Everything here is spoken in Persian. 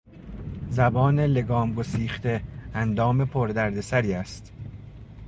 زبان لگام گسیخته اندام پر دردسری است.